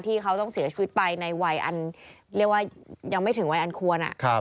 ที่เขาต้องเสียชีวิตไปในวัยอันเรียกว่ายังไม่ถึงวัยอันควร